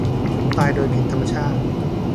ตายโดยผิดธรรมชาติ